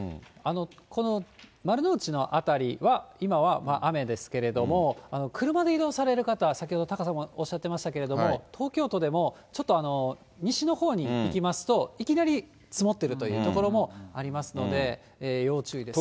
この丸の内の辺りは、今は雨ですけれども、車で移動される方は、先ほどタカさんもおっしゃってましたけれども、東京都でもちょっと西のほうに行きますといきなり積もっているという所もありますので、要注意です。